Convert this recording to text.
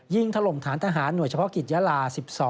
ถล่มฐานทหารหน่วยเฉพาะกิจยาลา๑๒